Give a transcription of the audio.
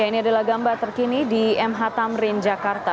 ya ini adalah gambar terkini di mhtamrin jakarta